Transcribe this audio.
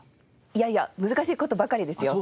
いやいや難しい事ばかりですよ。